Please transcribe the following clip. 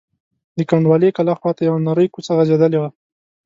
د کنډوالې کلا خواته یوه نرۍ کوڅه غځېدلې وه.